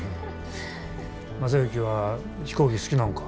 正行は飛行機好きなんか？